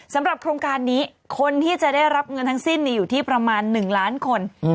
สำหรับโครงการนี้คนที่จะได้รับเงินทั้งสิ้นอยู่ที่ประมาณ๑ล้านคน